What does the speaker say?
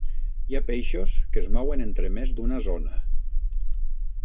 Hi ha peixos que es mouen entre més d'una zona.